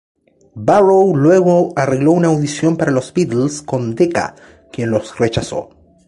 Barrow luego arregló una audición para los Beatles con Decca, quien los rechazó.